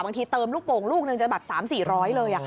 บางทีเติมลูกโป่งลูกหนึ่งจะแบบ๓๔๐๐เลย